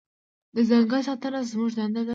د ځنګل ساتنه زموږ دنده ده.